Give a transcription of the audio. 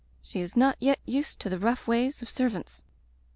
She is not yet used to the rough ways of servants.